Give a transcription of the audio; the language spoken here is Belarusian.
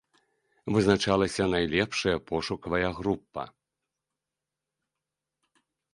Вызначалася найлепшая пошукавая група.